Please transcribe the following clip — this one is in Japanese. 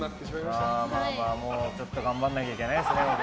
もうちょっと頑張らなきゃいけないですね。